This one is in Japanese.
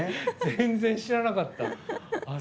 全然知らなかった！